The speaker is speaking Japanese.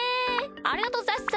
ありがとうございます。